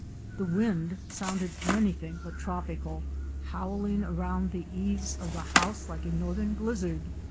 The wind sounded anything but tropical, howling around the eaves of the house like a northern blizzard.